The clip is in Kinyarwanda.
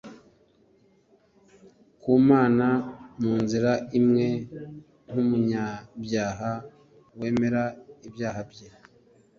ku Mana mu nzira imwe nk'umunyabyaha wemera ibyaha bye,